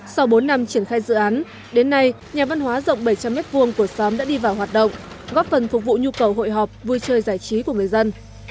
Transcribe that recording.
sau bốn năm triển khai dự án đến nay nhà văn hóa rộng bảy trăm linh m hai của xóm đã đi vào hoạt động góp phần phục vụ nhu cầu hội họp vui chơi giải trí của người dân